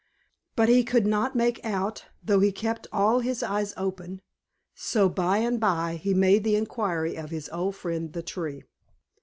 But he could not make out, though he kept all his eyes open: so by and by he made the inquiry of his old friend the Tree.